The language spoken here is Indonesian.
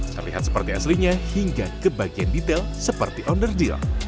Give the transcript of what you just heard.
terlihat seperti aslinya hingga kebagian detail seperti onderdeal